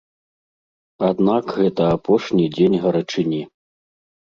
Аднак гэта апошні дзень гарачыні.